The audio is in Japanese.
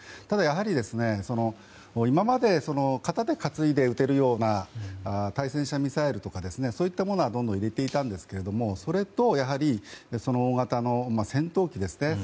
ただ、やはり今まで肩で担いで撃てるような対戦車ミサイルとかそういったものはどんどん入れていたんですがそれと、やはりかなり大型の戦闘機ですね